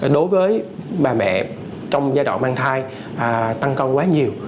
đối với bà mẹ trong giai đoạn mang thai tăng con quá nhiều